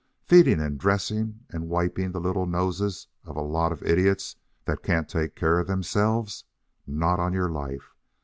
Feeding and dressing and wiping the little noses of a lot of idiots that can't take care of themselves? Not on your life.